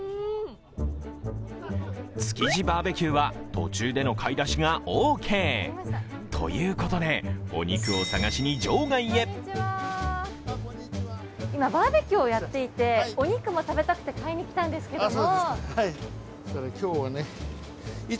築地バーベキューは途中での買い出しがオーケー。ということで、お肉を探しに場外へ今、バーベキューをやっていて、お肉も食べたくて買いに来たんですけども。